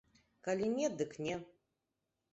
Калі не, дык не.